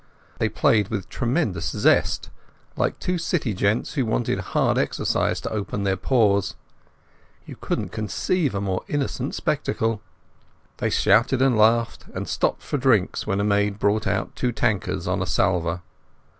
They played with tremendous zest, like two city gents who wanted hard exercise to open their pores. You couldn't conceive a more innocent spectacle. They shouted and laughed and stopped for drinks, when a maid brought out two tankards on a salver.